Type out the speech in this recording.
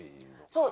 そう。